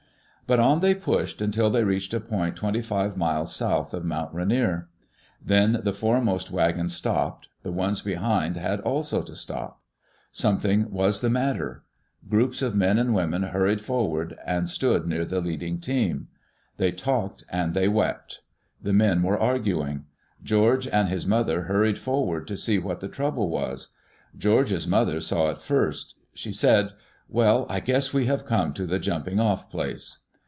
But on they pushed until they reached a point twenty five miles south of Mount Rainier. Then the foremost wagon stopped; the ones behind had also to stop. Some thing was the matter 1 Groups of men and women hurried forward, and stood near the leading team. They talked and they wept. The men were arguing. George and hi$ mother hurried forward to see what the trouble was. George's mother saw it first. She said, "Well, I guess we have come to the jumping off place."